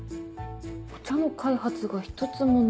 お茶の開発が一つもない。